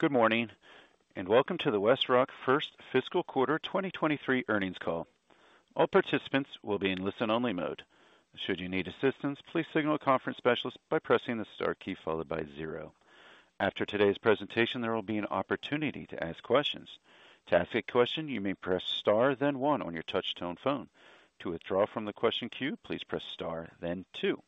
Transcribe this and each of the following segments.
Good morning. Welcome to the WestRock first fiscal quarter 2023 earnings call. All participants will be in listen-only mode. Should you need assistance, please signal a conference specialist by pressing the star key followed by zero. After today's presentation, there will be an opportunity to ask questions. To ask a question, you may press star then one on your touch tone phone. To withdraw from the question queue, please press star then two.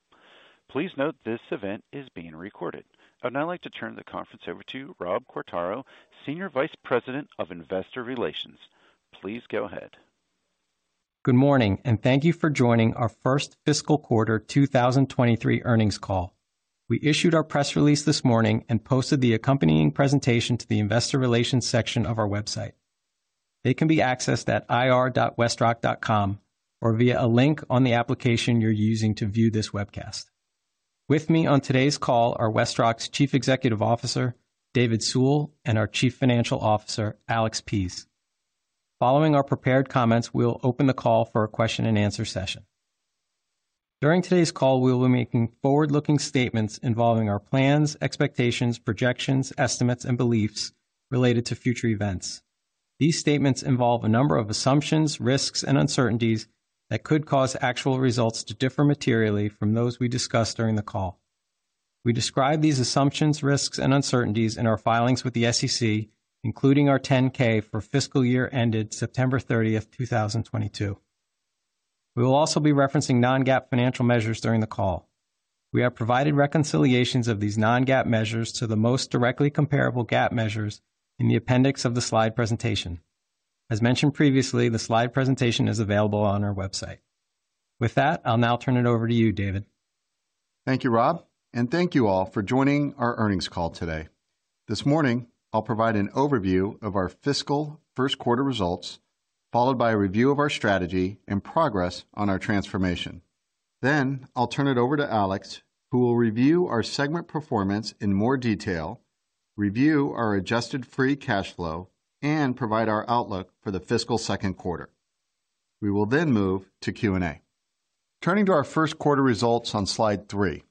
Please note this event is being recorded. I would now like to turn the conference over to Robert Quartaro, Senior Vice President of Investor Relations. Please go ahead. Good morning, thank you for joining our first fiscal quarter 2023 earnings call. We issued our press release this morning and posted the accompanying presentation to the investor relations section of our website. They can be accessed at ir.westrock.com or via a link on the application you're using to view this webcast. With me on today's call are WestRock's Chief Executive Officer, David Sewell, and our Chief Financial Officer, Alex Pease. Following our prepared comments, we'll open the call for a question-and-answer session. During today's call, we'll be making forward-looking statements involving our plans, expectations, projections, estimates, and beliefs related to future events. These statements involve a number of assumptions, risks, and uncertainties that could cause actual results to differ materially from those we discussed during the call. We describe these assumptions, risks, and uncertainties in our filings with the SEC, including our 10-K for fiscal year ended September 30, 2022. We will also be referencing non-GAAP financial measures during the call. We have provided reconciliations of these non-GAAP measures to the most directly comparable GAAP measures in the appendix of the slide presentation. As mentioned previously, the slide presentation is available on our website. With that, I'll now turn it over to you, David. Thank you, Rob. Thank you all for joining our earnings call today. This morning, I'll provide an overview of our fiscal first quarter results, followed by a review of our strategy and progress on our transformation. I'll turn it over to Alex, who will review our segment performance in more detail, review our Adjusted Free Cash Flow, and provide our outlook for the fiscal second quarter. We will then move to Q&A. Turning to our first quarter results on slide three.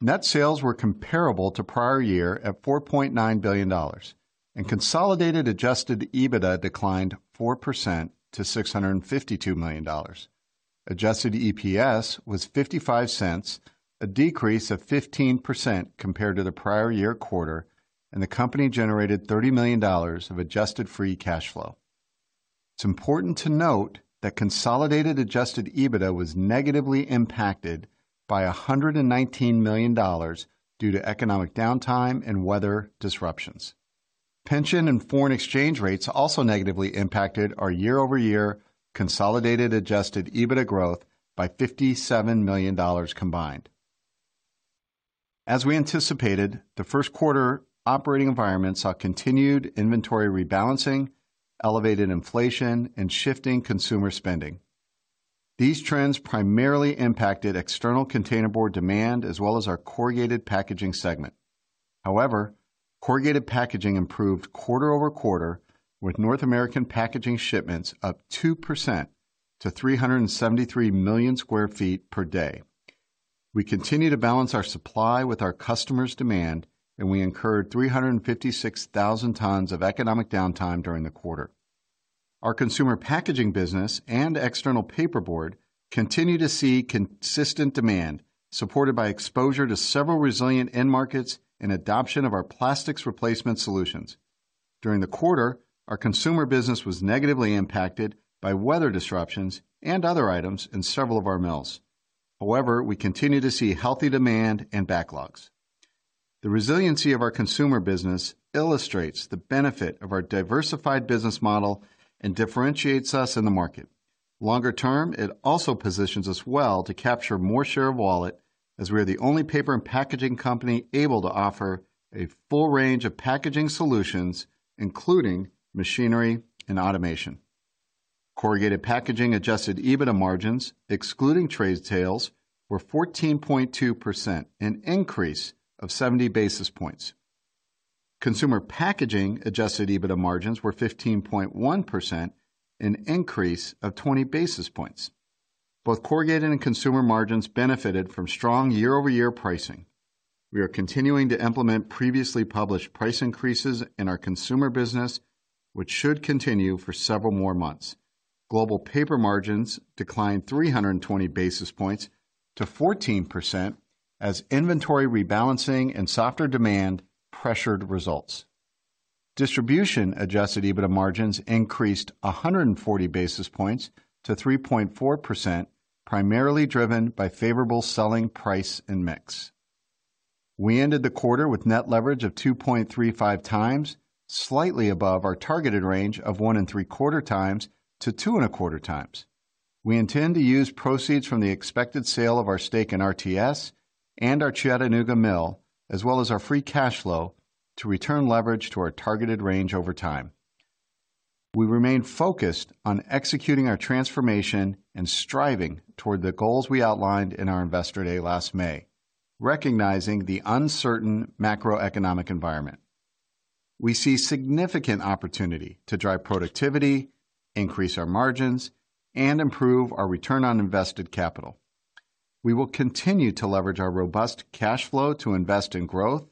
Net sales were comparable to prior year at $4.9 billion. Consolidated Adjusted EBITDA declined 4% to $652 million. Adjusted EPS was $0.55, a decrease of 15% compared to the prior year quarter, and the company generated $30 million of Adjusted Free Cash Flow. It's important to note that consolidated Adjusted EBITDA was negatively impacted by $119 million due to economic downtime and weather disruptions. Pension and foreign exchange rates also negatively impacted our year-over-year consolidated Adjusted EBITDA growth by $57 million combined. As we anticipated, the first quarter operating environment saw continued inventory rebalancing, elevated inflation, and shifting consumer spending. These trends primarily impacted external container board demand as well as our corrugated packaging segment. Corrugated packaging improved quarter-over-quarter, with North American packaging shipments up 2% to 373 million sq ft per day. We continue to balance our supply with our customers' demand, we incurred 356,000 tons of economic downtime during the quarter. Our consumer packaging business and external paper board continue to see consistent demand, supported by exposure to several resilient end markets and adoption of our plastics replacement solutions. During the quarter, our consumer business was negatively impacted by weather disruptions and other items in several of our mills. We continue to see healthy demand and backlogs. The resiliency of our consumer business illustrates the benefit of our diversified business model and differentiates us in the market. Longer term, it also positions us well to capture more share of wallet as we are the only paper and packaging company able to offer a full range of packaging solutions, including machinery and automation. Corrugated packaging Adjusted EBITDA margins, excluding trade sales, were 14.2%, an increase of 70 basis points. Consumer packaging Adjusted EBITDA margins were 15.1%, an increase of 20 basis points. Both corrugated and consumer margins benefited from strong year-over-year pricing. We are continuing to implement previously published price increases in our consumer business, which should continue for several more months. Global paper margins declined 320 basis points to 14% as inventory rebalancing and softer demand pressured results. Distribution Adjusted EBITDA margins increased 140 basis points to 3.4%, primarily driven by favorable selling price and mix. We ended the quarter with net leverage of 2.35x, slightly above our targeted range of one and three-quarter times to two and a quarter times. We intend to use proceeds from the expected sale of our stake in RTS and our Chattanooga mill, as well as our free cash flow to return leverage to our targeted range over time. We remain focused on executing our transformation and striving toward the goals we outlined in our Investor Day last May, recognizing the uncertain macroeconomic environment. We see significant opportunity to drive productivity, increase our margins, and improve our return on invested capital. We will continue to leverage our robust cash flow to invest in growth,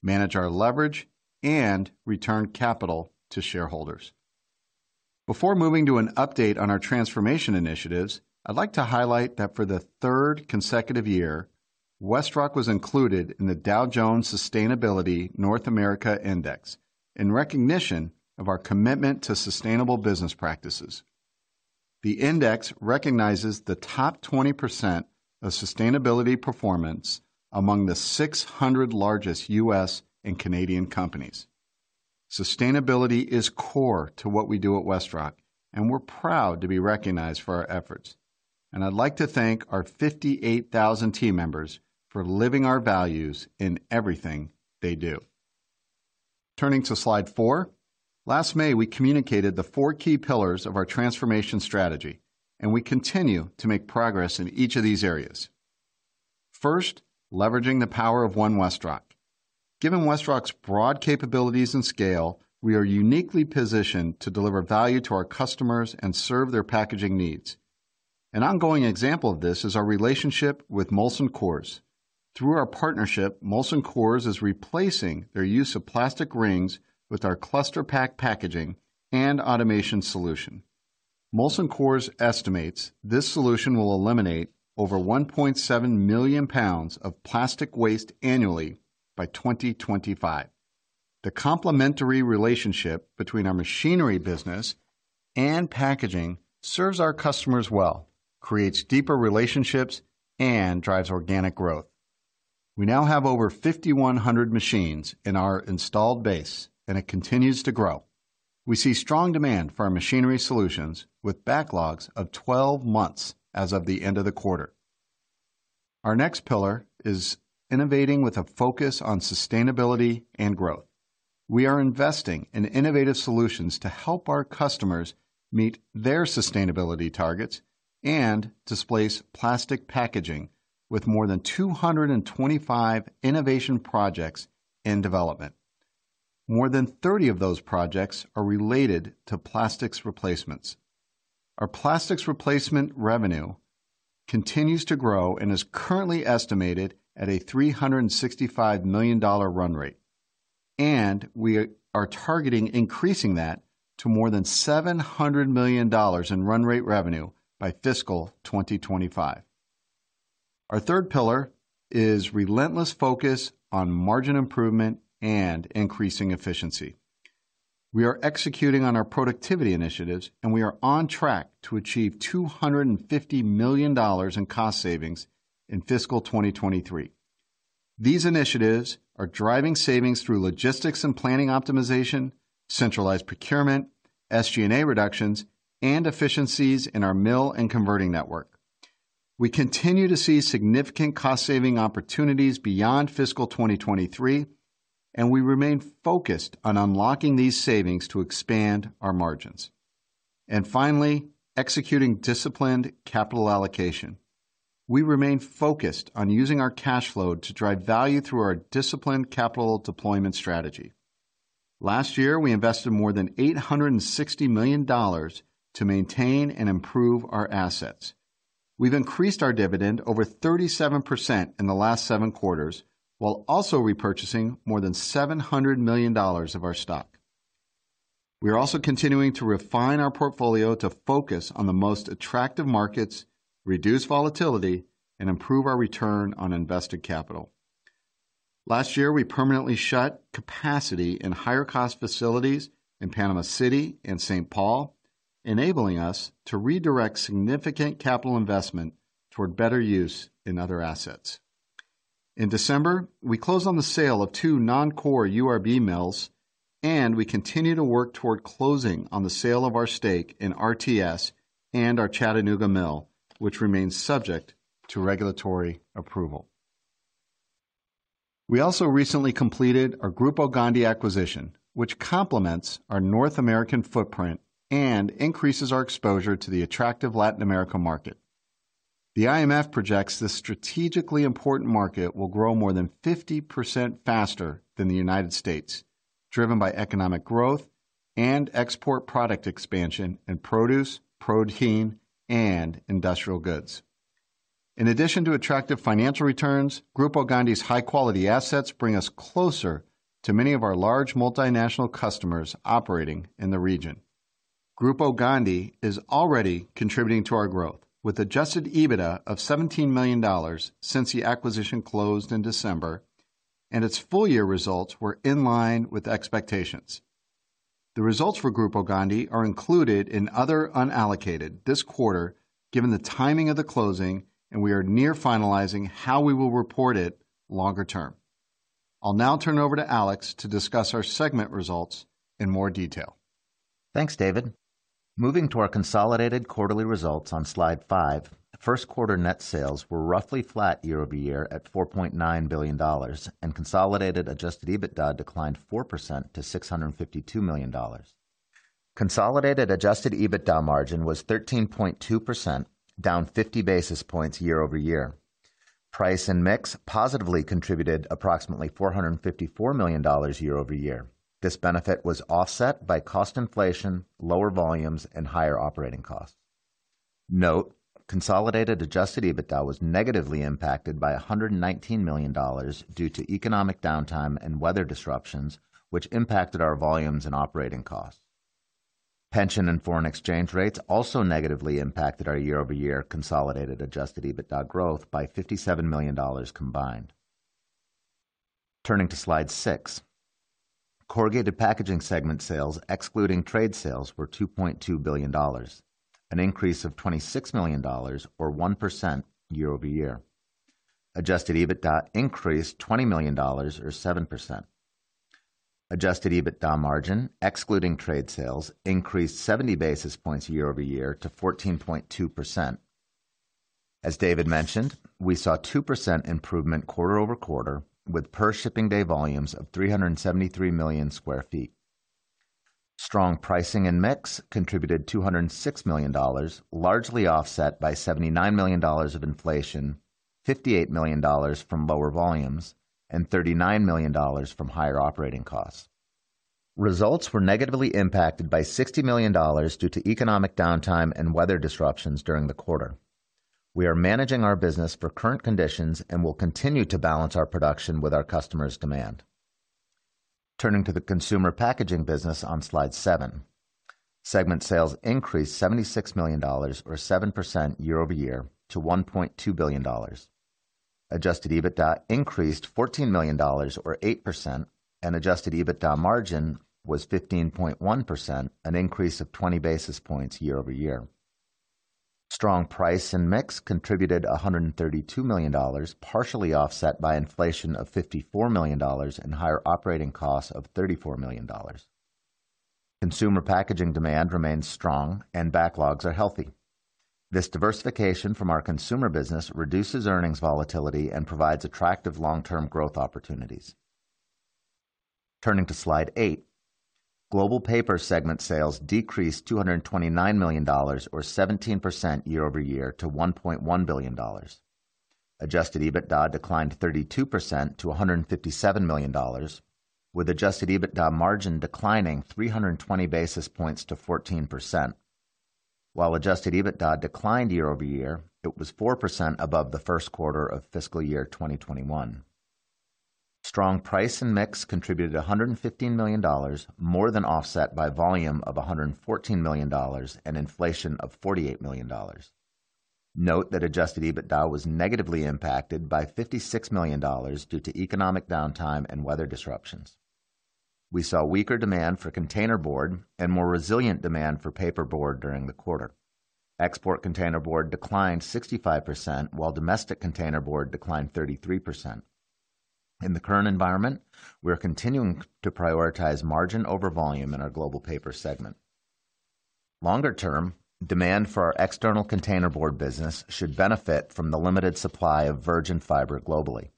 manage our leverage, and return capital to shareholders. Before moving to an update on our transformation initiatives, I'd like to highlight that for the third consecutive year, WestRock was included in the Dow Jones Sustainability North America Index in recognition of our commitment to sustainable business practices. The index recognizes the top 20% of sustainability performance among the 600 largest U.S. and Canadian companies. Sustainability is core to what we do at WestRock. We're proud to be recognized for our efforts. I'd like to thank our 58,000 team members for living our values in everything they do. Turning to slide four. Last May, we communicated the four key pillars of our transformation strategy. We continue to make progress in each of these areas. First, leveraging the power of one WestRock. Given WestRock's broad capabilities and scale, we are uniquely positioned to deliver value to our customers and serve their packaging needs. An ongoing example of this is our relationship with Molson Coors. Through our partnership, Molson Coors is replacing their use of plastic rings with our Cluster-Pak packaging and automation solution. Molson Coors estimates this solution will eliminate over 1.7 million pounds of plastic waste annually by 2025. The complementary relationship between our machinery business and packaging serves our customers well, creates deeper relationships, and drives organic growth. We now have over 5,100 machines in our installed base. It continues to grow. We see strong demand for our machinery solutions with backlogs of 12 months as of the end of the quarter. Our next pillar is innovating with a focus on sustainability and growth. We are investing in innovative solutions to help our customers meet their sustainability targets and displace plastic packaging with more than 225 innovation projects in development. More than 30 of those projects are related to plastics replacements. Our plastics replacement revenue continues to grow and is currently estimated at a $365 million run rate, and we are targeting increasing that to more than $700 million in run rate revenue by fiscal 2025. Our third pillar is relentless focus on margin improvement and increasing efficiency. We are executing on our productivity initiatives, and we are on track to achieve $250 million in cost savings in fiscal 2023. These initiatives are driving savings through logistics and planning optimization, centralized procurement, SG&A reductions, and efficiencies in our mill and converting network. We continue to see significant cost-saving opportunities beyond fiscal 2023, and we remain focused on unlocking these savings to expand our margins. Finally, executing disciplined capital allocation. We remain focused on using our cash flow to drive value through our disciplined capital deployment strategy. Last year, we invested more than $860 million to maintain and improve our assets. We've increased our dividend over 37% in the last seven quarters, while also repurchasing more than $700 million of our stock. We are also continuing to refine our portfolio to focus on the most attractive markets, reduce volatility, and improve our return on invested capital. Last year, we permanently shut capacity in higher-cost facilities in Panama City and Saint Paul, enabling us to redirect significant capital investment toward better use in other assets. In December, we closed on the sale of two non-core URB mills, and we continue to work toward closing on the sale of our stake in RTS and our Chattanooga mill, which remains subject to regulatory approval. We also recently completed our Grupo Gondi acquisition, which complements our North American footprint and increases our exposure to the attractive Latin America market. The IMF projects this strategically important market will grow more than 50% faster than the United States, driven by economic growth and export product expansion in produce, protein, and industrial goods. In addition to attractive financial returns, Grupo Gondi's high-quality assets bring us closer to many of our large multinational customers operating in the region. Grupo Gondi is already contributing to our growth, with Adjusted EBITDA of $17 million since the acquisition closed in December, and its full year results were in line with expectations. The results for Grupo Gondi are included in other unallocated this quarter, given the timing of the closing, we are near finalizing how we will report it longer term. I'll now turn it over to Alex to discuss our segment results in more detail. Thanks, David. Moving to our consolidated quarterly results on slide 5. First quarter net sales were roughly flat year-over-year at $4.9 billion, consolidated Adjusted EBITDA declined 4% to $652 million. Consolidated Adjusted EBITDA margin was 13.2%, down 50 basis points year-over-year. Price and mix positively contributed approximately $454 million year-over-year. This benefit was offset by cost inflation, lower volumes, and higher operating costs. Note, consolidated Adjusted EBITDA was negatively impacted by $119 million due to economic downtime and weather disruptions, which impacted our volumes and operating costs. Pension and foreign exchange rates also negatively impacted our year-over-year consolidated Adjusted EBITDA growth by $57 million combined. Turning to slide six. Corrugated packaging segment sales, excluding trade sales, were $2.2 billion, an increase of $26 million or 1% year-over-year. Adjusted EBITDA increased $20 million or 7%. Adjusted EBITDA margin, excluding trade sales, increased 70 basis points year-over-year to 14.2%. As David mentioned, we saw 2% improvement quarter-over-quarter with per-shipping day volumes of 373 million sq ft. Strong pricing and mix contributed $206 million, largely offset by $70 million of inflation, $58 million from lower volumes, and $39 million from higher operating costs. Results were negatively impacted by $60 million due to economic downtime and weather disruptions during the quarter. We are managing our business for current conditions and will continue to balance our production with our customers' demand. Turning to the consumer packaging business on slide seven. Segment sales increased $76 million or 7% year-over-year to $1.2 billion. Adjusted EBITDA increased $14 million or 8%, and Adjusted EBITDA margin was 15.1%, an increase of 20 basis points year-over-year. Strong price and mix contributed $132 million, partially offset by inflation of $54 million and higher operating costs of $34 million. Consumer packaging demand remains strong and backlogs are healthy. This diversification from our consumer business reduces earnings volatility and provides attractive long-term growth opportunities. Turning to slide eight. Global paper segment sales decreased $229 million or 17% year-over-year to $1.1 billion. Adjusted EBITDA declined 32% to $157 million, with Adjusted EBITDA margin declining 320 basis points to 14%. While Adjusted EBITDA declined year-over-year, it was 4% above the first quarter of fiscal year 2021. Strong price and mix contributed $115 million, more than offset by volume of $114 million and inflation of $48 million. Note that Adjusted EBITDA was negatively impacted by $56 million due to economic downtime and weather disruptions. We saw weaker demand for container board and more resilient demand for paper board during the quarter. Export container board declined 65% while domestic container board declined 33%. In the current environment, we are continuing to prioritize margin over volume in our global paper segment. Longer term, demand for our external container board business should benefit from the limited supply of virgin fiber globally.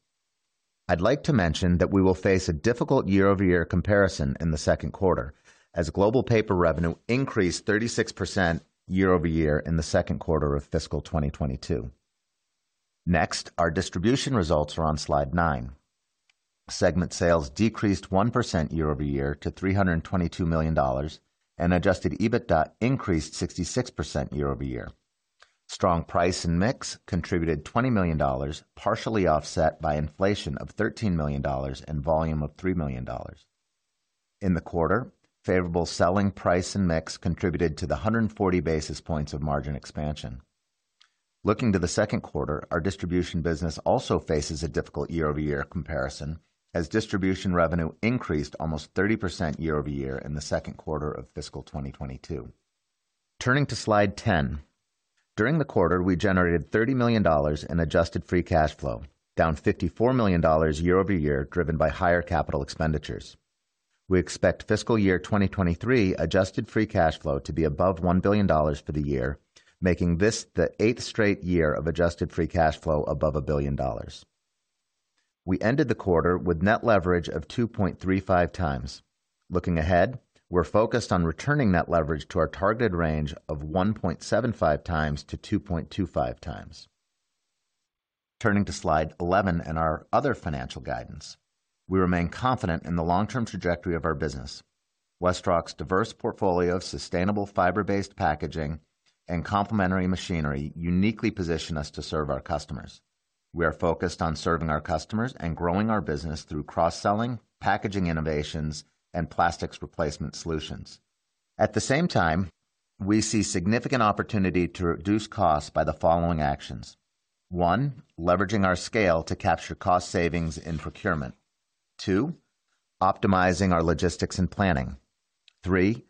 I'd like to mention that we will face a difficult year-over-year comparison in the second quarter as global paper revenue increased 36% year-over-year in the second quarter of fiscal 2022. Our distribution results are on slide nine. Segment sales decreased 1% year-over-year to $322 million, and Adjusted EBITDA increased 66% year-over-year. Strong price and mix contributed $20 million, partially offset by inflation of $13 million and volume of $3 million. In the quarter, favorable selling price and mix contributed to the 140 basis points of margin expansion. Looking to the second quarter, our distribution business also faces a difficult year-over-year comparison as distribution revenue increased almost 30% year-over-year in the second quarter of fiscal 2022. Turning to slide 10. During the quarter, we generated $30 million in Adjusted Free Cash Flow, down $54 million year-over-year, driven by higher capital expenditures. We expect fiscal year 2023 Adjusted Free Cash Flow to be above $1 billion for the year, making this the eighth straight year of Adjusted Free Cash Flow above $1 billion. We ended the quarter with net leverage of 2.35x. Looking ahead, we're focused on returning that leverage to our targeted range of 1.75x-2.25x. Turning to slide 11 and our other financial guidance. We remain confident in the long-term trajectory of our business. WestRock's diverse portfolio of sustainable fiber-based packaging and complementary machinery uniquely position us to serve our customers. We are focused on serving our customers and growing our business through cross-selling, packaging innovations, and plastics replacement solutions. At the same time, we see significant opportunity to reduce costs by the following actions. One, leveraging our scale to capture cost savings in procurement. Two, optimizing our logistics and planning. Three,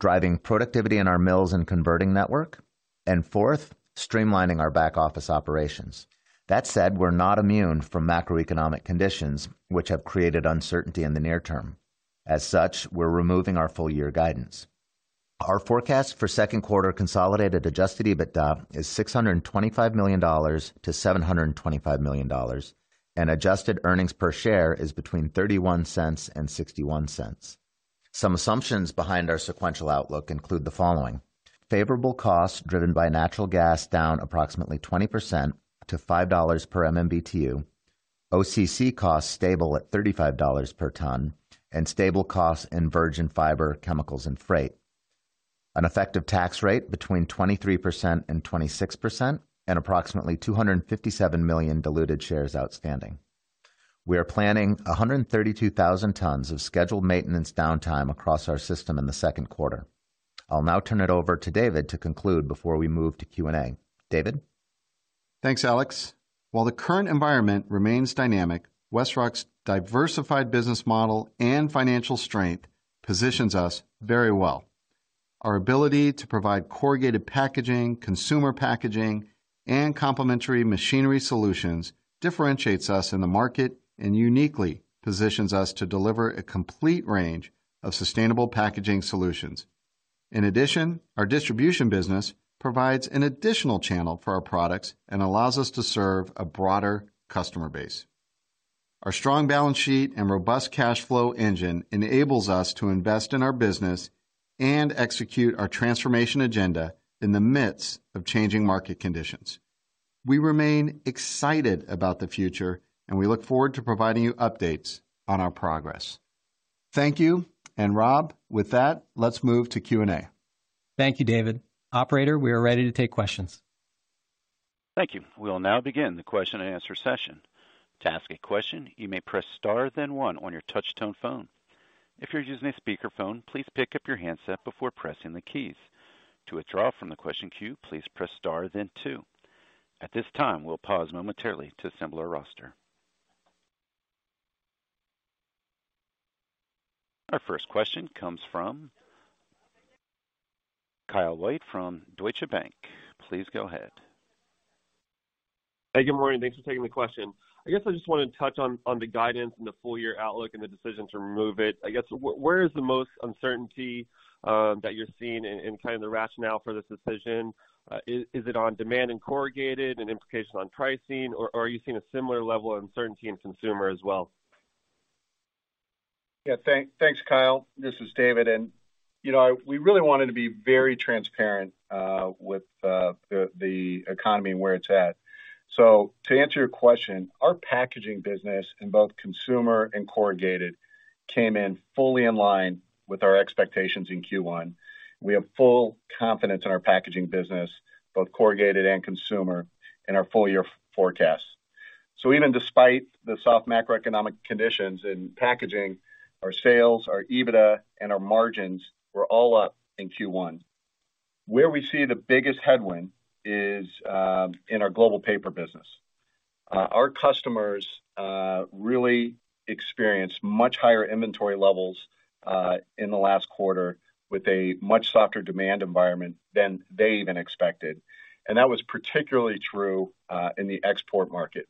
driving productivity in our mills and converting network. Fourth, streamlining our back-office operations. That said, we're not immune from macroeconomic conditions, which have created uncertainty in the near term. As such, we're removing our full year guidance. Our forecast for second quarter consolidated Adjusted EBITDA is $625 million-$725 million, and Adjusted EPS is between $0.31 and $0.61. Some assumptions behind our sequential outlook include the following: favorable costs driven by natural gas down approximately 20% to $5 per MMBTU, OCC costs stable at $35 per ton, and stable costs in virgin fiber, chemicals, and freight. An effective tax rate between 23% and 26%, and approximately 257 million diluted shares outstanding. We are planning 132,000 tons of scheduled maintenance downtime across our system in the second quarter. I'll now turn it over to David to conclude before we move to Q&A. David. Thanks, Alex. While the current environment remains dynamic, WestRock's diversified business model and financial strength positions us very well. Our ability to provide corrugated packaging, consumer packaging, and complementary machinery solutions differentiates us in the market and uniquely positions us to deliver a complete range of sustainable packaging solutions. In addition, our distribution business provides an additional channel for our products and allows us to serve a broader customer base. Our strong balance sheet and robust cash flow engine enables us to invest in our business and execute our transformation agenda in the midst of changing market conditions. We remain excited about the future, and we look forward to providing you updates on our progress. Thank you. Rob, with that, let's move to Q&A. Thank you, David. Operator, we are ready to take questions. Thank you. We'll now begin the question-and-answer session. To ask a question, you may press star then one on your touch tone phone. If you're using a speakerphone, please pick up your handset before pressing the keys. To withdraw from the question queue, please press star then two. At this time, we'll pause momentarily to assemble our roster. Our first question comes from Kyle White from Deutsche Bank. Please go ahead. Hey, good morning. Thanks for taking the question. I guess I just wanted to touch on the guidance and the full-year outlook and the decision to remove it. I guess where is the most uncertainty that you're seeing and kind of the rationale for this decision? Is it on demand and corrugated and implications on pricing or are you seeing a similar level of uncertainty in consumer as well? Yeah, thanks, Kyle. This is David. You know, we really wanted to be very transparent with the economy and where it's at. To answer your question, our packaging business in both consumer and corrugated came in fully in line with our expectations in Q1. We have full confidence in our packaging business, both corrugated and consumer, in our full-year forecasts. Even despite the soft macroeconomic conditions in packaging, our sales, our EBITDA, and our margins were all up in Q1. Where we see the biggest headwind is in our global paper business. Our customers really experienced much higher inventory levels in the last quarter with a much softer demand environment than they even expected. That was particularly true in the export market.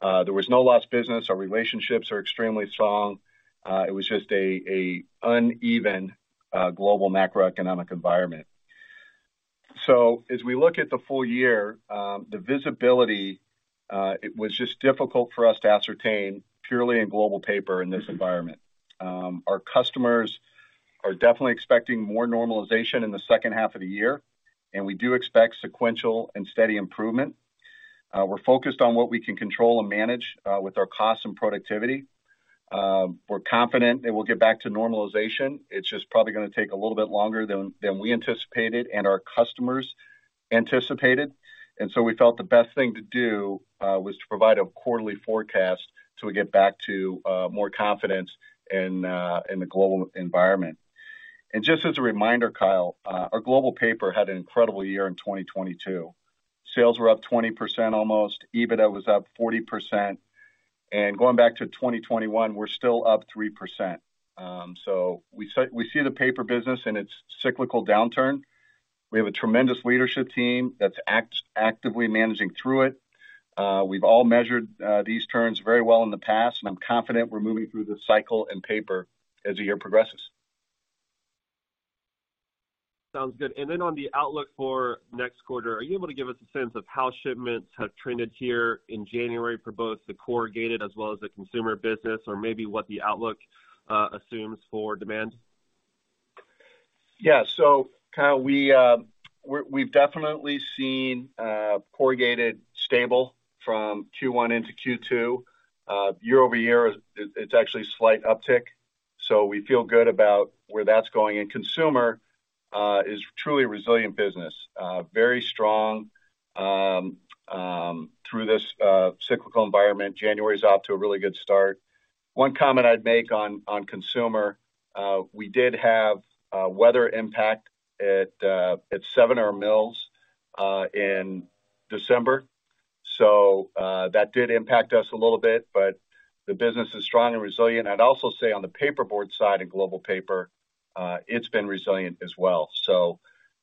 There was no lost business. Our relationships are extremely strong. It was just an uneven global macroeconomic environment. As we look at the full year, the visibility, it was just difficult for us to ascertain purely in global paper in this environment. Our customers are definitely expecting more normalization in the second half of the year, and we do expect sequential and steady improvement. We're focused on what we can control and manage with our costs and productivity. We're confident that we'll get back to normalization. It's just probably gonna take a little bit longer than we anticipated and our customers anticipated. We felt the best thing to do was to provide a quarterly forecast till we get back to more confidence in the global environment. Just as a reminder, Kyle, our global paper had an incredible year in 2022. Sales were up 20% almost. EBITDA was up 40%. Going back to 2021, we're still up 3%. We see the paper business in its cyclical downturn. We have a tremendous leadership team that's actively managing through it. We've all measured these turns very well in the past, and I'm confident we're moving through this cycle in paper as the year progresses. Sounds good. On the outlook for next quarter, are you able to give us a sense of how shipments have trended here in January for both the corrugated as well as the consumer business or maybe what the outlook assumes for demand? Yeah. Kyle, we've definitely seen corrugated stable from Q1 into Q2. Year-over-year, it's actually a slight uptick. We feel good about where that's going. Consumer is truly a resilient business, very strong through this cyclical environment. January is off to a really good start. One comment I'd make on consumer, we did have a weather impact at seven of our mills in December. That did impact us a little bit. The business is strong and resilient. I'd also say on the paperboard side in global paper, it's been resilient as well.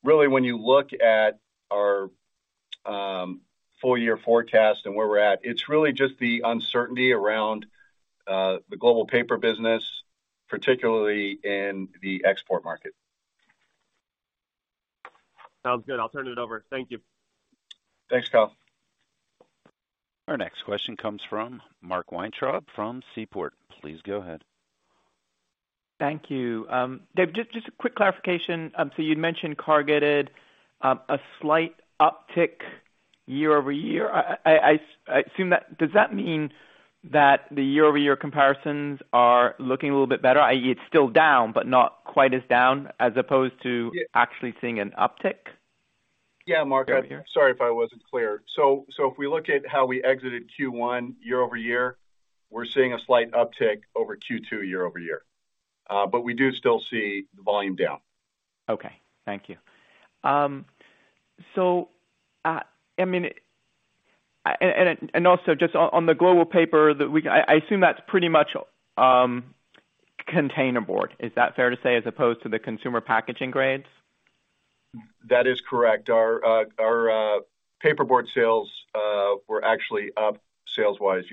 Really when you look at our full-year forecast and where we're at, it's really just the uncertainty around the global paper business, particularly in the export market. Sounds good. I'll turn it over. Thank you. Thanks, Kyle. Our next question comes from Mark Weintraub from Seaport. Please go ahead. Thank you. Dave, just a quick clarification. You'd mentioned corrugated, a slight uptick year-over-year. Does that mean that the year-over-year comparisons are looking a little bit better, i.e., it's still down but not quite as down as opposed to...? Yeah. -actually seeing an uptick? Yeah, Mark. Sorry if I wasn't clear. If we look at how we exited Q1 year-over-year, we're seeing a slight uptick over Q2 year-over-year. We do still see the volume down. Okay. Thank you. I mean also just on the global paper that we... I assume that's pretty much container board. Is that fair to say, as opposed to the consumer packaging grades? That is correct. Our our paper board sales were actually up sales-wise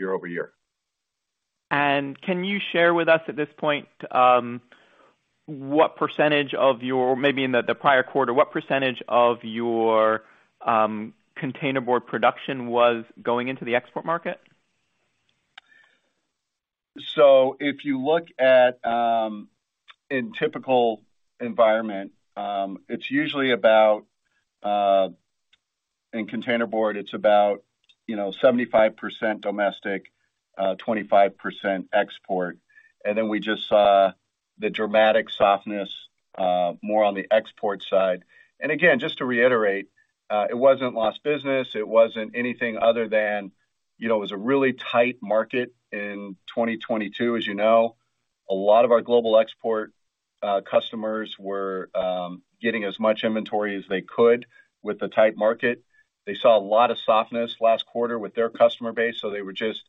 year-over-year. Can you share with us at this point, Maybe in the prior quarter, what % of your container board production was going into the export market? If you look at, in typical environment, it's usually about, in container board, it's about, you know, 75% domestic, 25% export. We just saw the dramatic softness, more on the export side. Just to reiterate, it wasn't lost business. It wasn't anything other than, you know, it was a really tight market in 2022, as you know. A lot of our global export customers were getting as much inventory as they could with the tight market. They saw a lot of softness last quarter with their customer base, so they were just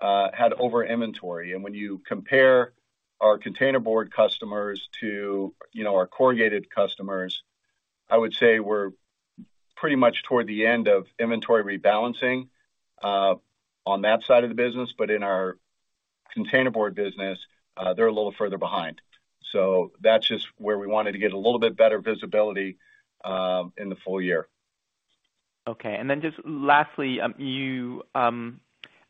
had over-inventory. When you compare our container board customers to, you know, our corrugated customers, I would say we're pretty much toward the end of inventory rebalancing on that side of the business. In our container board business, they're a little further behind. That's just where we wanted to get a little bit better visibility, in the full year. Just lastly, you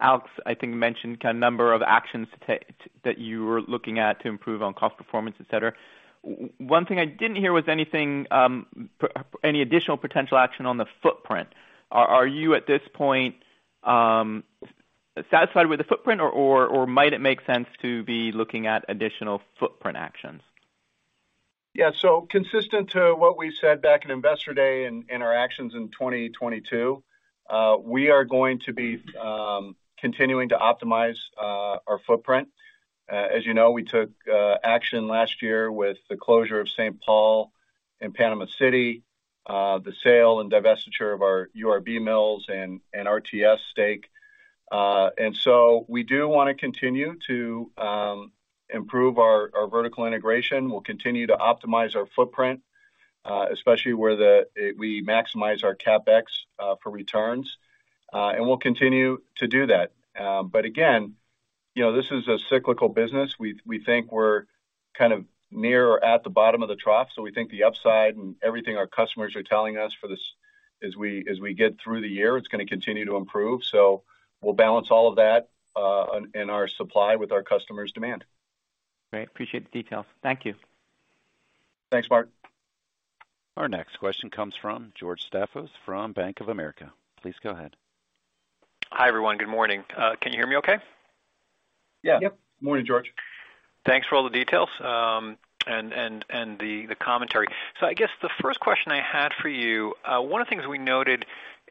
Alex, I think, mentioned kind of number of actions that you were looking at to improve on cost performance, et cetera. One thing I didn't hear was anything any additional potential action on the footprint. Are you, at this point, satisfied with the footprint or might it make sense to be looking at additional footprint actions? Consistent to what we said back in Investor Day and in our actions in 2022, we are going to be continuing to optimize our footprint. As you know, we took action last year with the closure of St. Paul and Panama City, the sale and divestiture of our URB mills and RTS stake. We do wanna continue to improve our vertical integration. We'll continue to optimize our footprint, especially where we maximize our CapEx for returns, and we'll continue to do that. Again, you know, this is a cyclical business. We think we're kind of near or at the bottom of the trough. We think the upside and everything our customers are telling us for this as we get through the year, it's gonna continue to improve. We'll balance all of that in our supply with our customers' demand. Great. Appreciate the details. Thank you. Thanks, Mark. Our next question comes from George Staphos from Bank of America. Please go ahead. Hi, everyone. Good morning. Can you hear me okay? Yeah. Yep. Morning, George. Thanks for all the details, and the commentary. I guess the first question I had for you, one of the things we noted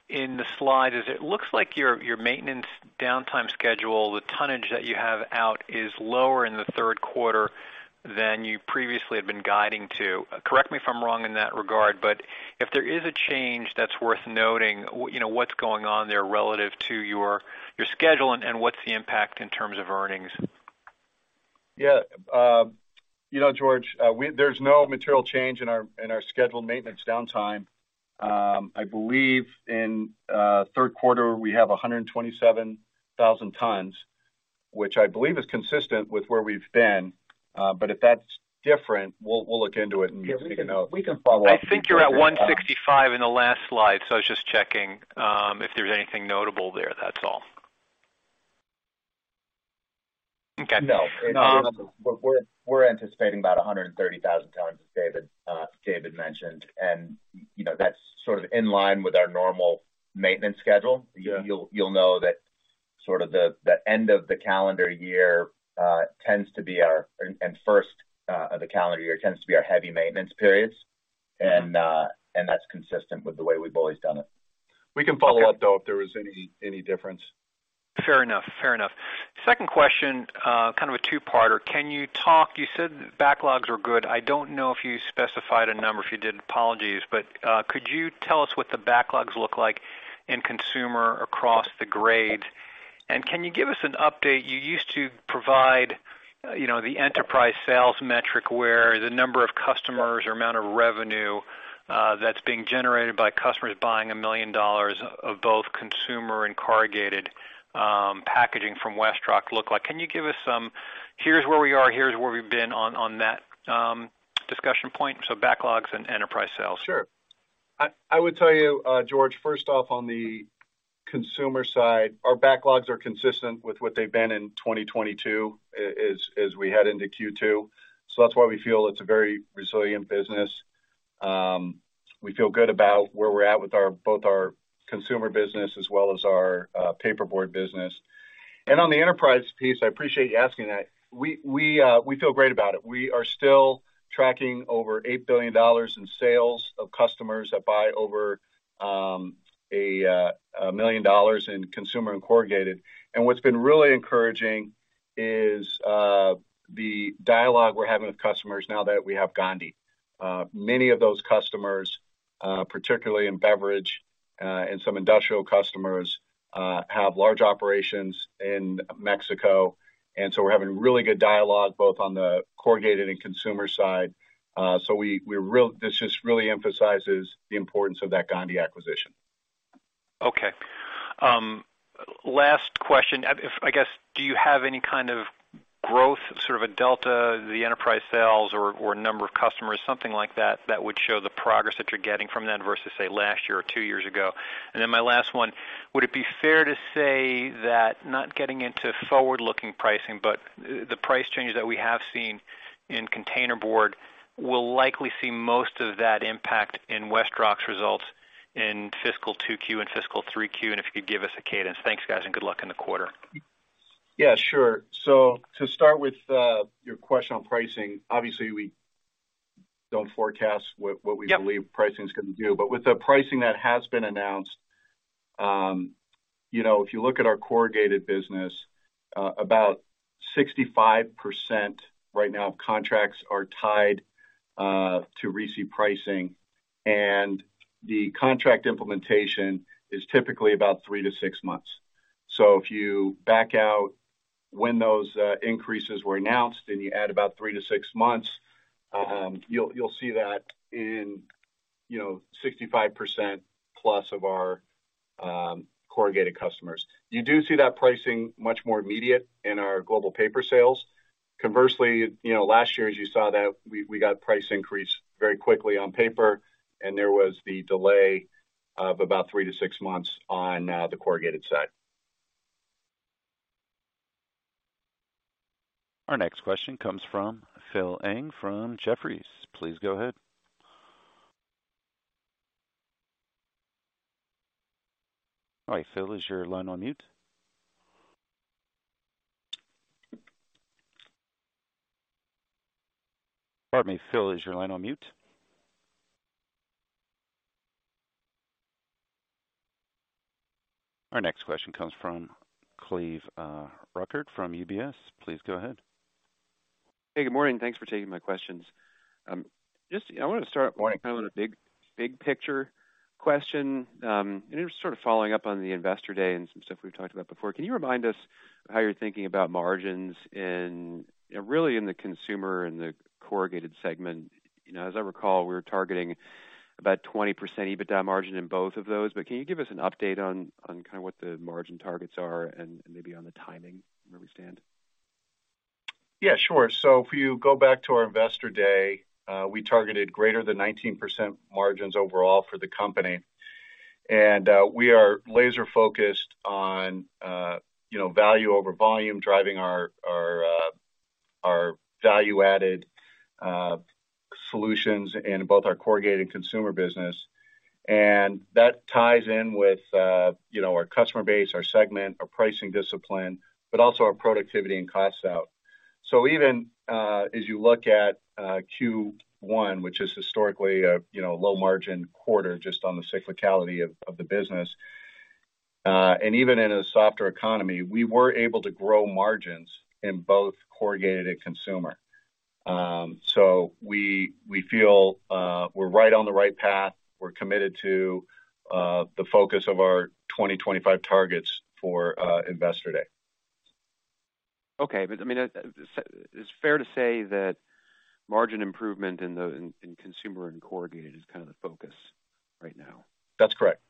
in the slide is it looks like your maintenance downtime schedule, the tonnage that you have out is lower in the third quarter than you previously had been guiding to. Correct me if I'm wrong in that regard, but if there is a change that's worth noting, you know, what's going on there relative to your schedule and what's the impact in terms of earnings? Yeah. you know, George, there's no material change in our scheduled maintenance downtime. I believe in third quarter, we have 127,000 tons, which I believe is consistent with where we've been. If that's different, we'll look into it. Yeah. make a note. We can follow up. I think you're at 165 in the last slide, so I was just checking, if there's anything notable there. That's all. Okay. No. Um- We're anticipating about 130,000 tons, as David mentioned. You know, that's sort of in line with our normal maintenance schedule. Yeah. You'll know that sort of the end of the calendar year tends to be our and first of the calendar year tends to be our heavy maintenance periods. That's consistent with the way we've always done it. We can follow up, though, if there was any difference. Fair enough. Fair enough. Second question, kind of a two-parter. You said backlogs are good. I don't know if you specified a number. If you did, apologies. Could you tell us what the backlogs look like in consumer across the grade? Can you give us an update? You used to provide, you know, the enterprise sales metric, where the number of customers or amount of revenue that's being generated by customers buying $1 million of both consumer and corrugated packaging from WestRock look like. Can you give us some, here's where we are, here's where we've been on that discussion point. Backlogs and enterprise sales. Sure. I would tell you, George, first off, on the consumer side, our backlogs are consistent with what they've been in 2022, as we head into Q2. That's why we feel it's a very resilient business. We feel good about where we're at with our both our consumer business as well as our paperboard business. On the enterprise piece, I appreciate you asking that. We feel great about it. We are still tracking over $8 billion in sales of customers that buy over $1 million in consumer and corrugated. What's been really encouraging is the dialogue we're having with customers now that we have Gondi. Many of those customers, particularly in beverage, and some industrial customers, have large operations in Mexico. We're having really good dialogue both on the corrugated and consumer side. We this just really emphasizes the importance of that Gondi acquisition. Okay. Last question. I guess, do you have any kind of growth, sort of a delta, the enterprise sales or number of customers, something like that would show the progress that you're getting from that versus, say, last year or two years ago? My last one, would it be fair to say that not getting into forward-looking pricing, but the price changes that we have seen in container board will likely see most of that impact in WestRock's results in fiscal 2Q and fiscal 3Q, and if you could give us a cadence? Thanks, guys, and good luck in the quarter. Yeah, sure. To start with, your question on pricing, obviously we don't forecast what we. Yep. believe pricing is gonna do. With the pricing that has been announced, you know, if you look at our corrugated business, about 65% right now of contracts are tied to RISI pricing, and the contract implementation is typically about 3-6 months. If you back out when those increases were announced, and you add about 3-6 months, you'll see that in, you know, 65% plus of our corrugated customers. You do see that pricing much more immediate in our global paper sales. Conversely, you know, last year, as you saw that, we got price increase very quickly on paper, and there was the delay of about 3-6 months on now the corrugated side. Our next question comes from Phil Ng from Jefferies. Please go ahead. All right, Phil, is your line on mute? Pardon me, Phil, is your line on mute? Our next question comes from Cleve Rueckert from UBS. Please go ahead. Hey, good morning. Thanks for taking my questions. Just, you know, I wanted to start kind of on a big picture question, and it was sort of following up on the investor day and some stuff we've talked about before. Can you remind us how you're thinking about margins in, you know, really in the consumer and the corrugated segment? You know, as I recall, we were targeting about 20% EBITDA margin in both of those. Can you give us an update on kind of what the margin targets are and maybe on the timing and where we stand? Yeah, sure. If you go back to our Investor Day, we targeted greater than 19% margins overall for the company. We are laser-focused on, you know, value over volume, driving our value-added solutions in both our corrugated consumer business. That ties in with, you know, our customer base, our segment, our pricing discipline, but also our productivity and cost out. Even as you look at Q1, which is historically a, you know, low margin quarter just on the cyclicality of the business, and even in a softer economy, we were able to grow margins in both corrugated and consumer. We feel we're right on the right path. We're committed to the focus of our 2025 targets for Investor Day. Okay. I mean, is it fair to say that margin improvement in consumer and corrugated is kind of the focus right now? That's correct.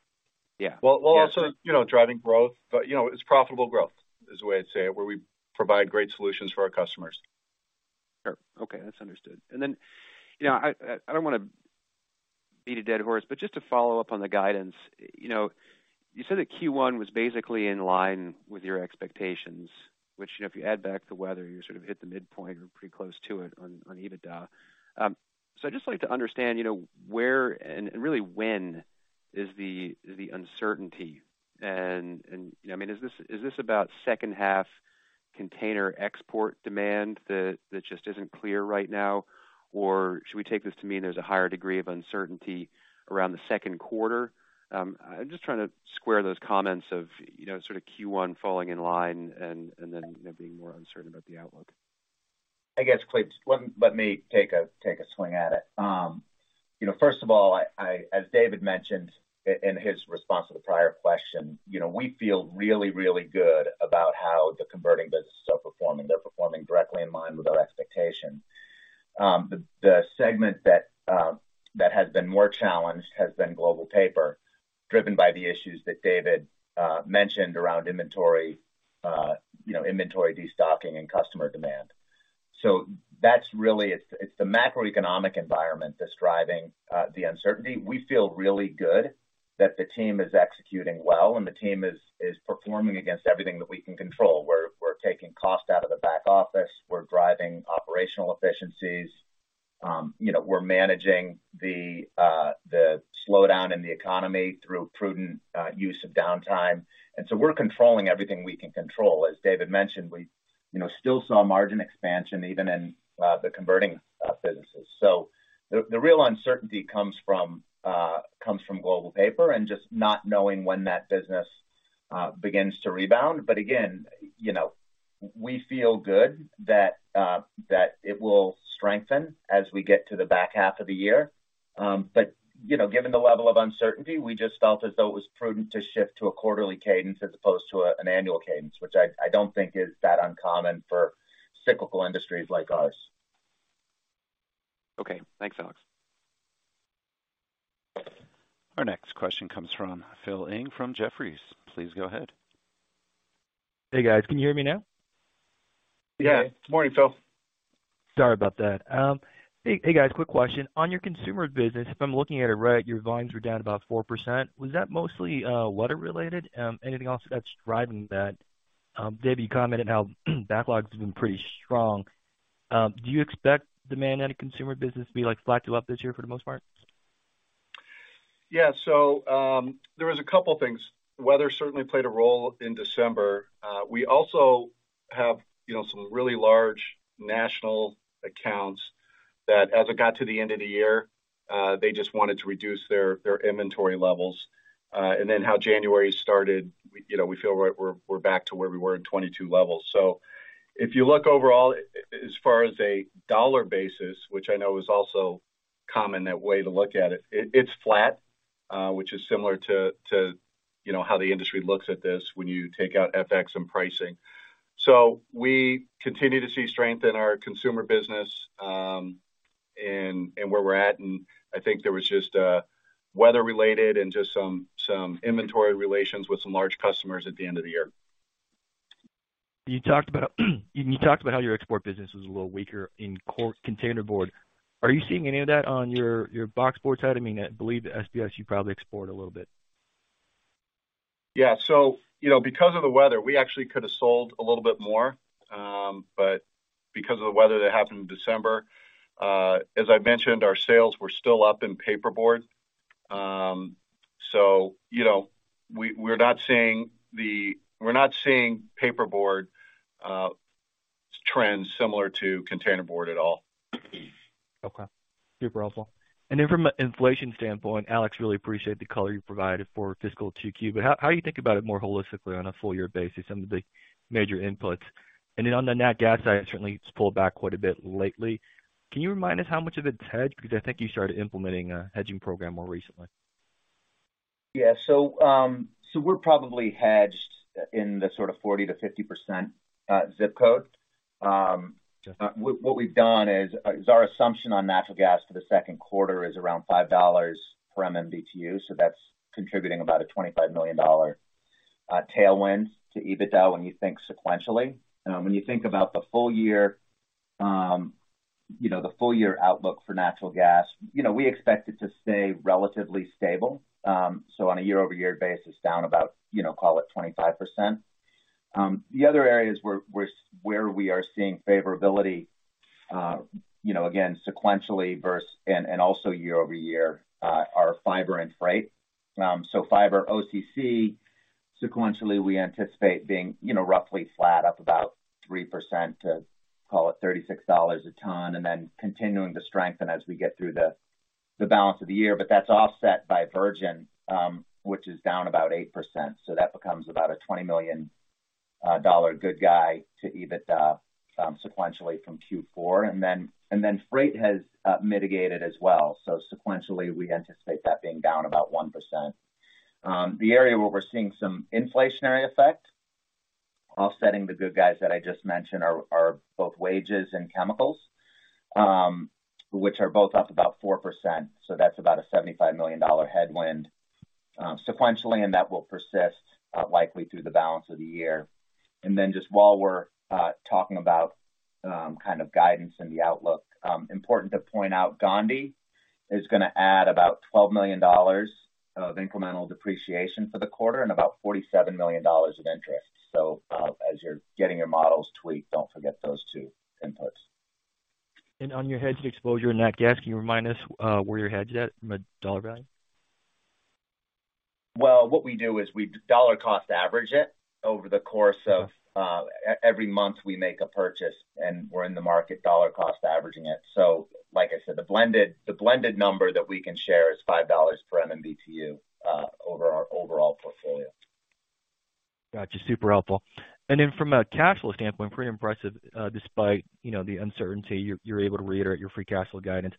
Yeah. Well. Yeah. You know, driving growth, but, you know, it's profitable growth is the way I'd say it, where we provide great solutions for our customers. Sure. Okay. That's understood. You know, I don't wanna beat a dead horse, but just to follow up on the guidance, you know, you said that Q1 was basically in line with your expectations, which, you know, if you add back the weather, you sort of hit the midpoint or pretty close to it on EBITDA. I'd just like to understand, you know, where and really when is the uncertainty? You know, I mean, is this about second half container export demand that just isn't clear right now? Or should we take this to mean there's a higher degree of uncertainty around the second quarter? I'm just trying to square those comments of, you know, sort of Q1 falling in line and then, you know, being more uncertain about the outlook. I guess, Cleve, let me take a swing at it. You know, first of all, as David mentioned in his response to the prior question, you know, we feel really good about how the converting business is so performing. They're performing directly in line with our expectations. The segment that has been more challenged has been Global Paper, driven by the issues that David mentioned around inventory, you know, inventory destocking and customer demand. That's really it. It's the macroeconomic environment that's driving the uncertainty. We feel really good that the team is executing well, and the team is performing against everything that we can control. We're taking cost out of the back office. We're driving operational efficiencies. You know, we're managing the slowdown in the economy through prudent use of downtime. We're controlling everything we can control. As David mentioned, we, you know, still saw margin expansion even in the converting businesses. The real uncertainty comes from Global Paper and just not knowing when that business begins to rebound. Again, you know, we feel good that it will strengthen as we get to the back half of the year. You know, given the level of uncertainty, we just felt as though it was prudent to shift to a quarterly cadence as opposed to an annual cadence, which I don't think is that uncommon for cyclical industries like ours. Okay. Thanks, Alex. Our next question comes from Phil Ng from Jefferies. Please go ahead. Hey, guys. Can you hear me now? Yeah. Good morning, Phil. Sorry about that. Hey guys, quick question. On your consumer business, if I'm looking at it right, your volumes were down about 4%. Was that mostly weather-related? Anything else that's driving that? David, you commented how backlogs have been pretty strong. Do you expect demand out of consumer business to be like flat to up this year for the most part? Yeah. There was a couple things. Weather certainly played a role in December. We also have, you know, some really large national accounts that as it got to the end of the year, they just wanted to reduce their inventory levels. How January started, we, you know, we feel we're back to where we were in 2022 levels. If you look overall, as far as a dollar basis, which I know is also common that way to look at it's flat, which is similar to, you know, how the industry looks at this when you take out FX and pricing. We continue to see strength in our consumer business, and where we're at, and I think there was just a weather-related and just some inventory relations with some large customers at the end of the year. You talked about how your export business was a little weaker in containerboard. Are you seeing any of that on your box board side? I mean, I believe the SBS, you probably export a little bit. Yeah. you know, because of the weather, we actually could have sold a little bit more, but because of the weather that happened in December, as I mentioned, our sales were still up in paper board. you know, we're not seeing paper board trends similar to container board at all. Okay. Super helpful. From an inflation standpoint, Alex, really appreciate the color you provided for fiscal 2Q. How are you thinking about it more holistically on a full year basis on the big major inputs? On the nat gas side, certainly it's pulled back quite a bit lately. Can you remind us how much of it's hedged? I think you started implementing a hedging program more recently. We're probably hedged in the sort of 40% to 50% ZIP code. What we've done is our assumption on natural gas for the second quarter is around $5 per MMBTU, that's contributing about a $25 million tailwind to EBITDA when you think sequentially. When you think about the full year, you know, the full year outlook for natural gas, you know, we expect it to stay relatively stable. On a year-over-year basis, down about, you know, call it 25%. The other areas where we are seeing favorability, you know, again, sequentially versus and also year-over-year, are fiber and freight. Fiber OCC, sequentially, we anticipate being, you know, roughly flat up about 3% to call it $36 a ton, and then continuing to strengthen as we get through the balance of the year. That's offset by virgin, which is down about 8%. That becomes about a $20 million good guy to EBITDA sequentially from Q4. Freight has mitigated as well. Sequentially, we anticipate that being down about 1%. The area where we're seeing some inflationary effect offsetting the good guys that I just mentioned are both wages and chemicals, which are both up about 4%. That's about a $75 million headwind sequentially, and that will persist likely through the balance of the year. Just while we're talking about kind of guidance and the outlook, important to point out, Gondi is gonna add about $12 million of incremental depreciation for the quarter and about $47 million of interest. As you're getting your models tweaked, don't forget those two inputs. On your hedged exposure in nat gas, can you remind us, where your hedge is at from a dollar value? What we do is we dollar cost average it over the course of every month we make a purchase, and we're in the market dollar cost averaging it. Like I said, the blended number that we can share is $5 per MMBTU over our overall portfolio. Got you. Super helpful. From a cash flow standpoint, pretty impressive, despite, you know, the uncertainty, you're able to reiterate your free cash flow guidance.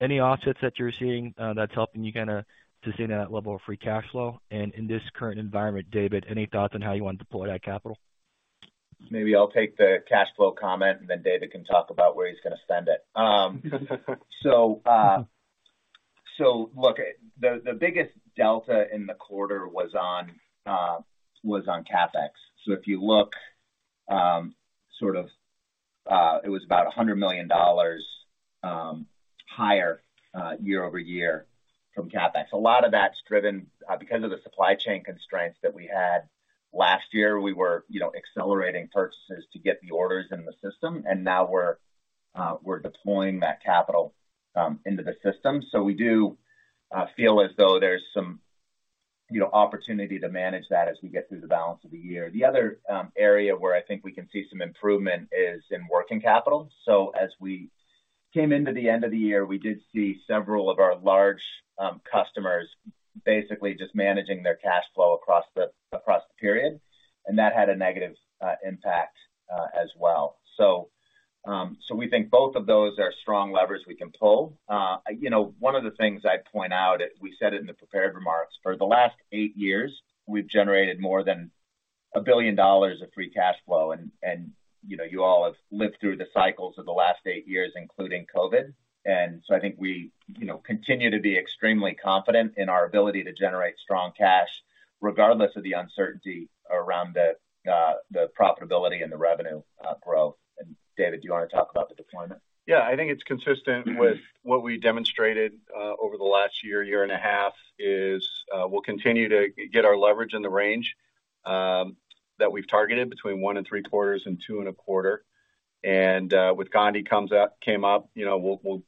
Any offsets that you're seeing, that's helping you kind of to sustain that level of free cash flow? In this current environment, David, any thoughts on how you want to deploy that capital? Maybe I'll take the cash flow comment, and then David can talk about where he's gonna spend it. Look, the biggest delta in the quarter was on CapEx. If you look, it was about $100 million higher year-over-year from CapEx. A lot of that's driven because of the supply chain constraints that we had. Last year, we were, you know, accelerating purchases to get the orders in the system, and now we're deploying that capital into the system. We do feel as though there's some, you know, opportunity to manage that as we get through the balance of the year. The other area where I think we can see some improvement is in working capital. As we came into the end of the year, we did see several of our large customers basically just managing their cash flow across the period, and that had a negative impact as well. We think both of those are strong levers we can pull. You know, one of the things I'd point out, we said it in the prepared remarks, for the last 8 years, we've generated more than $1 billion of free cash flow. You know, you all have lived through the cycles of the last 8 years, including COVID. I think we, you know, continue to be extremely confident in our ability to generate strong cash regardless of the uncertainty around the profitability and the revenue growth. David, do you wanna talk about the deployment? Yeah. I think it's consistent with what we demonstrated, over the last year and a half, is, we'll continue to get our leverage in the range that we've targeted between 1.75 and 2.25. With Gondi came up, you know,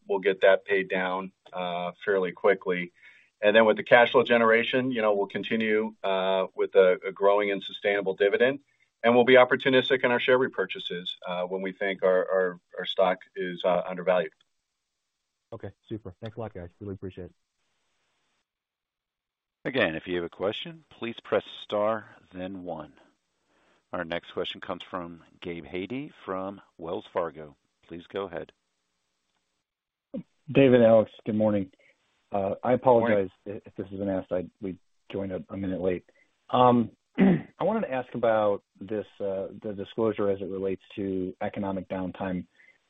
we'll get that paid down fairly quickly. Then with the cash flow generation, you know, we'll continue with a growing and sustainable dividend, and we'll be opportunistic in our share repurchases when we think our stock is undervalued. Okay. Super. Thanks a lot, guys. Really appreciate it. Again, if you have a question, please press star then 1. Our next question comes from Gabe Hajde from Wells Fargo. Please go ahead. David, Alex, good morning. I apologize. Good morning. If this has been asked. I we joined a minute late. I wanted to ask about this, the disclosure as it relates to economic downtime.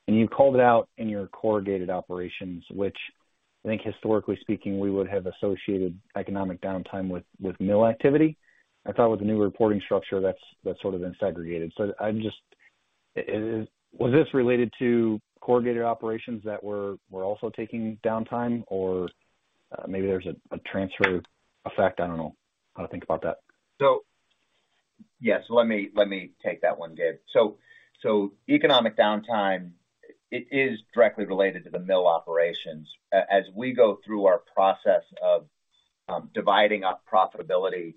You called it out in your corrugated operations, which I think historically speaking, we would have associated economic downtime with mill activity. I thought with the new reporting structure, that's sort of been segregated. I'm just... Was this related to corrugated operations that were also taking downtime or maybe there's a transfer effect? I don't know how to think about that. Yeah. Let me take that one, Gabe. Economic downtime, it is directly related to the mill operations. As we go through our process of dividing up profitability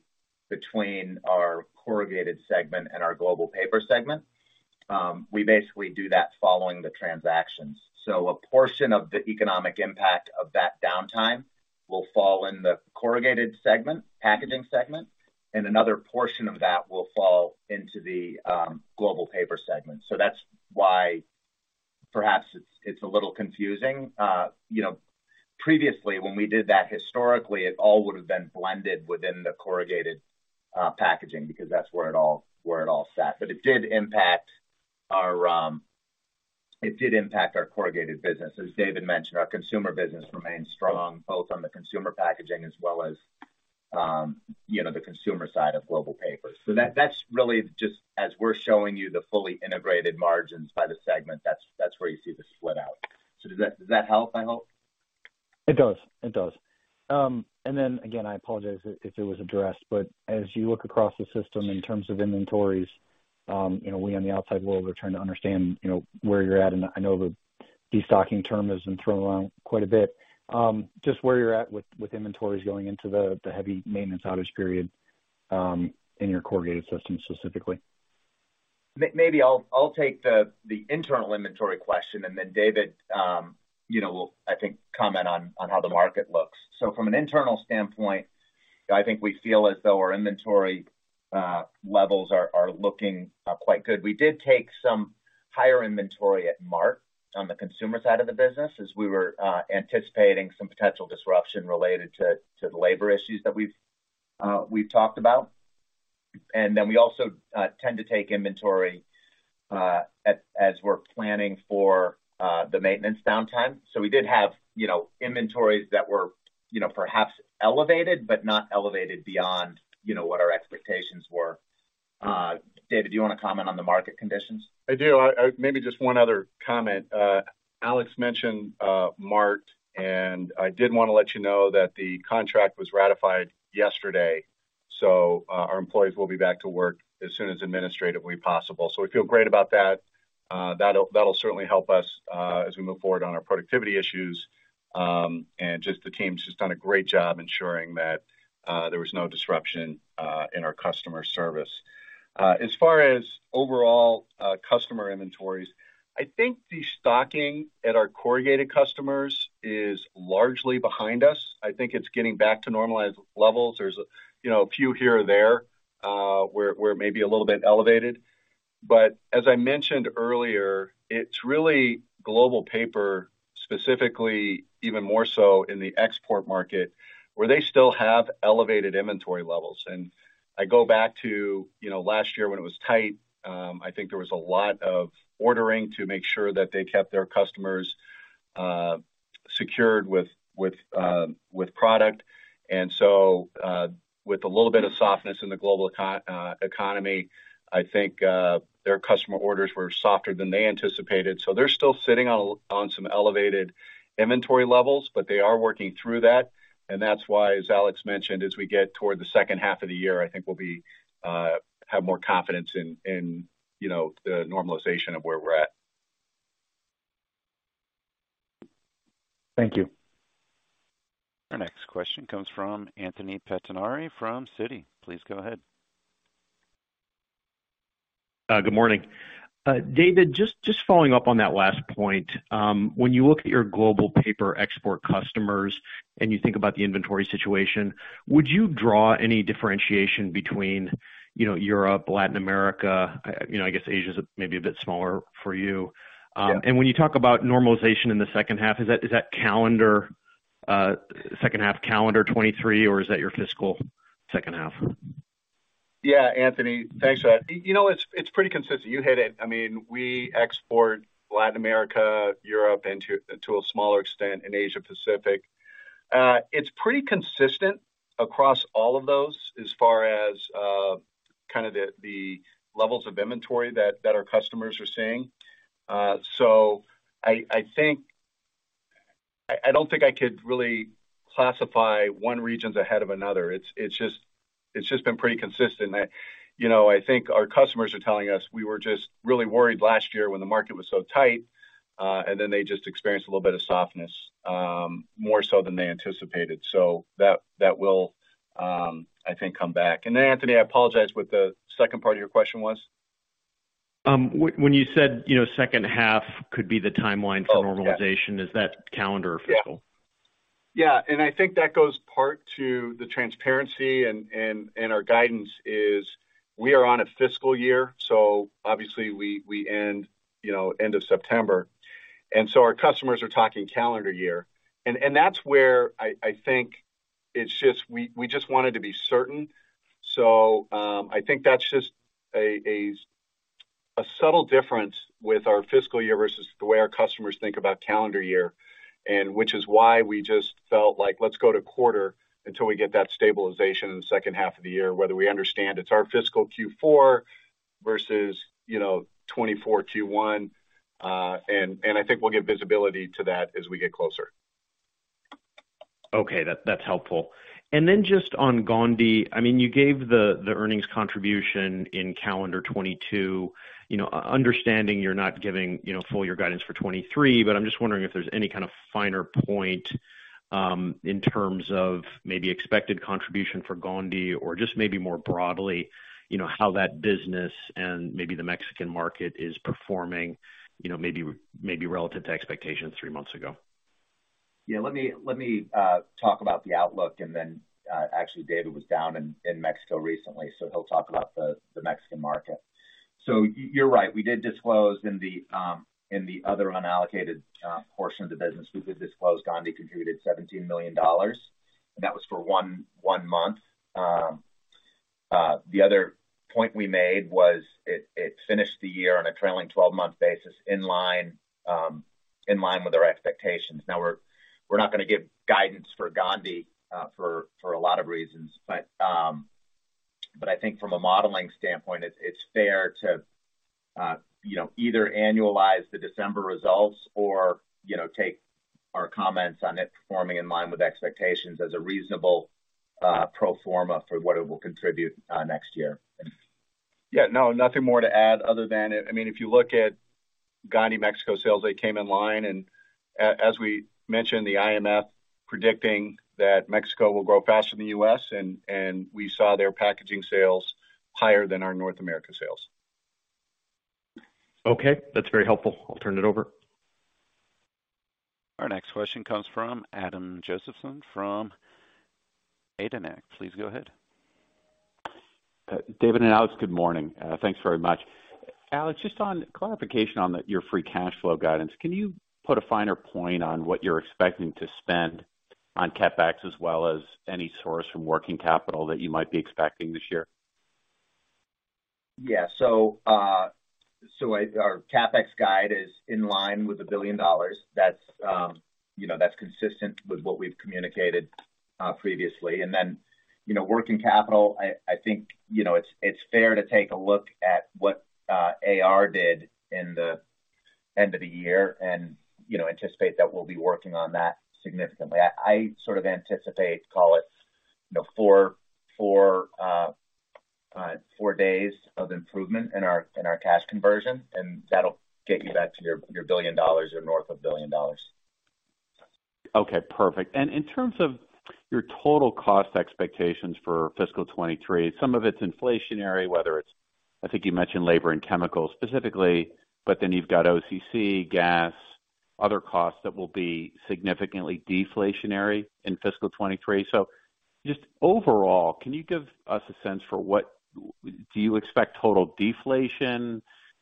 between our corrugated segment and our global paper segment, we basically do that following the transactions. A portion of the economic impact of that downtime will fall in the corrugated segment, packaging segment, and another portion of that will fall into the global paper segment. That's why perhaps it's a little confusing. You know, previously when we did that historically, it all would have been blended within the corrugated packaging because that's where it all sat. It did impact our corrugated business. As David mentioned, our consumer business remains strong both on the consumer packaging as well as, you know, the consumer side of global paper. That's really just as we're showing you the fully integrated margins by the segment, that's where you see the split out. Does that, does that help, I hope? It does. Again, I apologize if it was addressed, but as you look across the system in terms of inventories, you know, we on the outside world are trying to understand, you know, where you're at. I know the destocking term has been thrown around quite a bit. Just where you're at with inventories going into the heavy maintenance outage period in your corrugated system specifically? Maybe I'll take the internal inventory question, David, you know, will I think comment on how the market looks. From an internal standpoint, I think we feel as though our inventory levels are looking quite good. We did take some higher inventory at Walmart on the consumer side of the business as we were anticipating some potential disruption related to the labor issues that we've talked about. We also tend to take inventory as we're planning for the maintenance downtime. We did have, you know, inventories that were, you know, perhaps elevated, but not elevated beyond, you know, what our expectations were. David, do you wanna comment on the market conditions? I do. Maybe just one other comment. Alex mentioned Walmart, and I did wanna let you know that the contract was ratified yesterday, so, our employees will be back to work as soon as administratively possible. We feel great about that. That'll certainly help us as we move forward on our productivity issues. Just the team's just done a great job ensuring that there was no disruption in our customer service. As far as overall customer inventories, I think destocking at our corrugated customers is largely behind us. I think it's getting back to normalized levels. There's a, you know, a few here or there, where it may be a little bit elevated. As I mentioned earlier, it's really global paper, specifically even more so in the export market, where they still have elevated inventory levels. I go back to, you know, last year when it was tight, I think there was a lot of ordering to make sure that they kept their customers secured with product. With a little bit of softness in the global economy, I think their customer orders were softer than they anticipated. They're still sitting on some elevated inventory levels, but they are working through that. That's why, as Alex mentioned, as we get toward the second half of the year, I think we'll have more confidence in, you know, the normalization of where we're at. Thank you. Our next question comes from Anthony Pettinari from Citi. Please go ahead. Good morning. David, just following up on that last point. When you look at your global paper export customers, and you think about the inventory situation, would you draw any differentiation between, you know, Europe, Latin America? You know, I guess Asia is maybe a bit smaller for you. Yeah. When you talk about normalization in the second half, is that calendar, second half calendar 2023, or is that your fiscal second half? Yeah, Anthony, thanks for that. You know, it's pretty consistent. You hit it. I mean, we export Latin America, Europe, and to a smaller extent in Asia Pacific. It's pretty consistent across all of those as far as kind of the levels of inventory that our customers are seeing. I don't think I could really classify one region's ahead of another. It's just been pretty consistent that, you know, I think our customers are telling us we were just really worried last year when the market was so tight, they just experienced a little bit of softness more so than they anticipated. That will, I think, come back. Anthony, I apologize, what the second part of your question was. When, when you said, you know, second half could be the timeline for normalization... Oh, yeah. Is that calendar or fiscal? Yeah. I think that goes part to the transparency and our guidance is we are on a fiscal year, so obviously we end, you know, end of September. Our customers are talking calendar year. That's where I think it's just we just wanted to be certain. I think that's just a subtle difference with our fiscal year versus the way our customers think about calendar year, and which is why we just felt like let's go to quarter until we get that stabilization in the second half of the year, whether we understand it's our fiscal Q4 versus, you know, 2024 Q1. I think we'll get visibility to that as we get closer. Okay. That's helpful. Then just on Gondi, I mean, you gave the earnings contribution in calendar 2022. You know, understanding you're not giving, you know, full year guidance for 2023, I'm just wondering if there's any kind of finer point in terms of maybe expected contribution for Gondi or just maybe more broadly, you know, how that business and maybe the Mexican market is performing, you know, maybe relative to expectations three months ago. Let me talk about the outlook, and then actually, David was down in Mexico recently, so he'll talk about the Mexican market. You're right. We did disclose in the other unallocated portion of the business. We did disclose Gondi contributed $17 million, and that was for 1 month. The other point we made was it finished the year on a trailing 12-month basis in line with our expectations. We're not gonna give guidance for Gondi, for a lot of reasons. I think from a modeling standpoint, it's fair to, you know, either annualize the December results or, you know, take our comments on it performing in line with expectations as a reasonable pro forma for what it will contribute next year. Yeah. No, nothing more to add other than, I mean, if you look at Gondi Mexico sales, they came in line. As we mentioned, the IMF predicting that Mexico will grow faster than the U.S., and we saw their packaging sales higher than our North America sales. Okay. That's very helpful. I'll turn it over. Our next question comes from Adam Josephson from KeyBanc Capital Markets. Please go ahead. David and Alex, good morning. Thanks very much. Alex, just on clarification on your free cash flow guidance, can you put a finer point on what you're expecting to spend on CapEx as well as any source from working capital that you might be expecting this year? Yeah. Our CapEx guide is in line with $1 billion. That's, you know, that's consistent with what we've communicated previously. You know, working capital, I think, you know, it's fair to take a look at what AR did in the end of the year and, you know, anticipate that we'll be working on that significantly. I sort of anticipate, call it, you know, 4 days of improvement in our, in our cash conversion, and that'll get you back to your $1 billion or north of $1 billion. Okay, perfect. In terms of your total cost expectations for fiscal 2023, some of it's inflationary, whether it's, I think you mentioned labor and chemicals specifically, but then you've got OCC, gas, other costs that will be significantly deflationary in fiscal 2023. Just overall, can you give us a sense for what do you expect total deflation,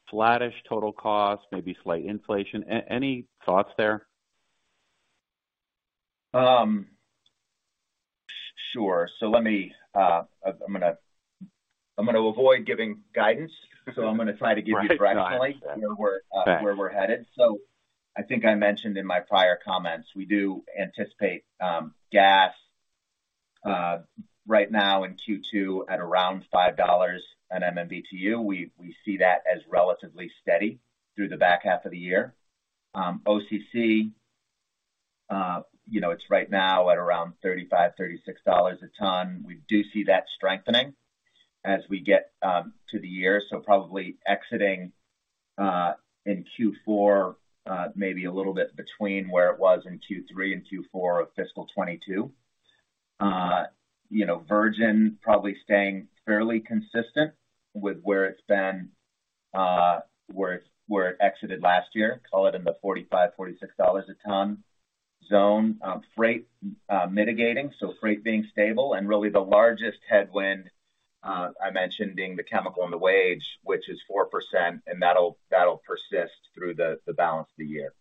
flattish total cost, maybe slight inflation? Any thoughts there? Sure. Let me, I'm gonna avoid giving guidance, I'm gonna try to give you directionally where we're where we're headed. I think I mentioned in my prior comments, we do anticipate gas right now in Q2 at around $5 at MMBtu. We see that as relatively steady through the back half of the year. OCC, you know, it's right now at around $35-$36 a ton. We do see that strengthening as we get to the year, probably exiting in Q4, maybe a little bit between where it was in Q3 and Q4 of fiscal 2022. You know, Virgin probably staying fairly consistent with where it's been, where it exited last year. Call it in the $45-$46 a ton zone. Freight, mitigating, so freight being stable. Really the largest headwind, I mentioned being the chemical and the wage, which is 4%, and that'll persist through the balance of the year.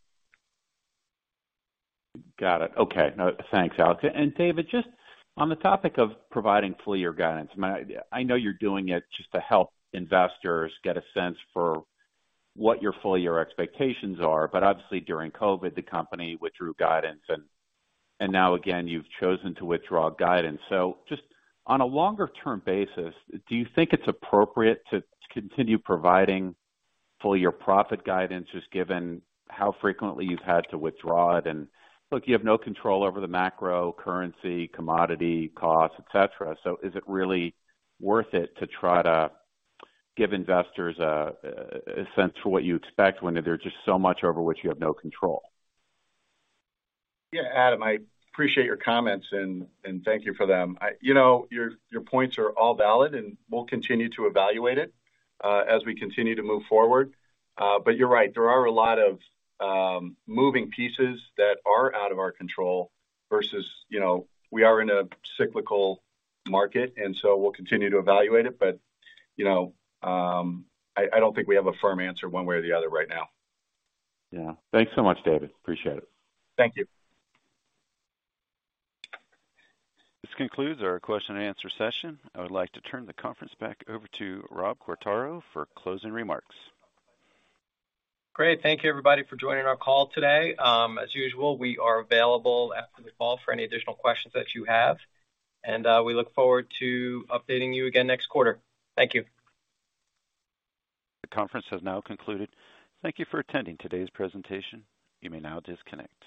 Got it. Okay. No, thanks, Alex. David, just on the topic of providing full year guidance, I know you're doing it just to help investors get a sense for what your full year expectations are, but obviously, during COVID, the company withdrew guidance and now again, you've chosen to withdraw guidance. Just on a longer term basis, do you think it's appropriate to continue providing full year profit guidance, just given how frequently you've had to withdraw it? Look, you have no control over the macro currency, commodity costs, et cetera. Is it really worth it to try to give investors a sense for what you expect when there's just so much over which you have no control? Yeah. Adam, I appreciate your comments and thank you for them. You know, your points are all valid, and we'll continue to evaluate it, as we continue to move forward. You're right, there are a lot of moving pieces that are out of our control versus, you know, we are in a cyclical market, and so we'll continue to evaluate it. You know, I don't think we have a firm answer one way or the other right now. Yeah. Thanks so much, David. Appreciate it. Thank you. This concludes our question and answer session. I would like to turn the conference back over to Robert Quartaro for closing remarks. Great. Thank you, everybody, for joining our call today. As usual, we are available after the call for any additional questions that you have, and we look forward to updating you again next quarter. Thank you. The conference has now concluded. Thank you for attending today's presentation. You may now disconnect.